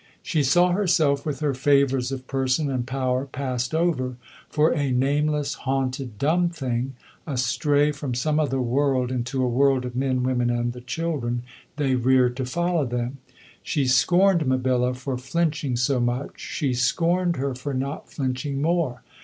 She saw herself with her favours of person and power passed over for a nameless, haunted, dumb thing, a stray from some other world into a world of men, women, and the children they rear to follow them. She scorned Mabilla for flinching so much, she scorned her for not flinching more.